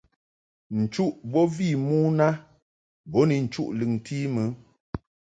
Nchuʼ bo vi mon a bo ni nchuʼ lɨŋti mɨ.